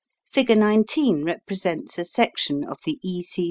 Figure 19 represents a section of the "E.